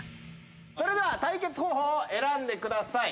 それでは対決方法を選んでください。